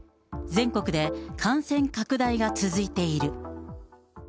全国で感染拡大が続いている。